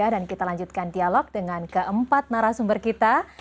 dan kita lanjutkan dialog dengan keempat narasumber kita